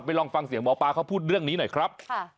ลองฟังเสียงหมอปลาเขาพูดเรื่องนี้หน่อยครับ